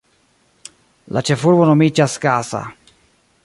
La ĉefurbo nomiĝas Gasa.